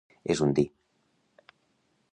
És un dir.